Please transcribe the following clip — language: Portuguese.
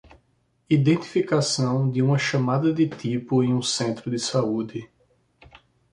Identificação de uma chamada de tipo em um centro de saúde.